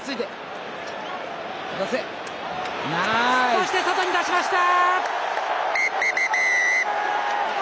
そしてここで外に出しました。